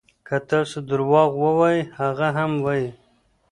که تاسو درواغ ووایئ هغه هم وایي.